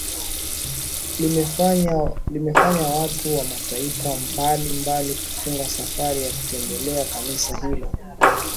Limefanya watu wa Mataifa mbali mbali kufunga safari ya kulitembelea kanisa hilo